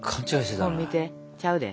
本見てちゃうで。